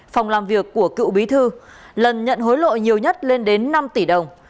phòng làm việc của cựu bí thư lần nhận hối lộ nhiều nhất lên đến năm tỷ đồng